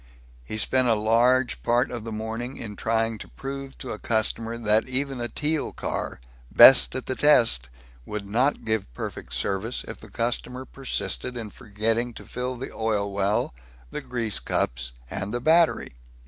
He spent a large part of the morning in trying to prove to a customer that even a Teal car, best at the test, would not give perfect service if the customer persisted in forgetting to fill the oil well, the grease cups, and the battery.